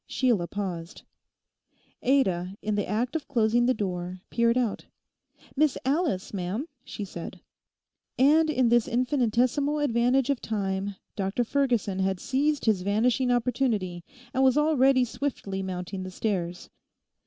Sheila paused. Ada, in the act of closing the door, peered out. 'Miss Alice, ma'am,' she said. And in this infinitesimal advantage of time Dr Ferguson had seized his vanishing opportunity, and was already swiftly mounting the stairs.